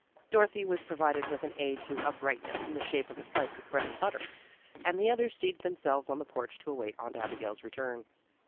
Dorothy was provided with an aid to uprightness in the shape of a slice of bread and butter, and the others seated themselves on the porch to await Aunt Abigail's return.